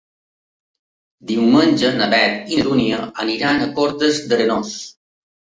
Diumenge na Beth i na Dúnia aniran a Cortes d'Arenós.